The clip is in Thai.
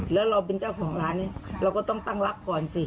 แล้วเราเป็นเจ้าของร้านนี้เราก็ต้องตั้งรักก่อนสิ